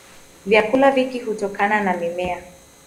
Vyakula vingi hutokana na mimea.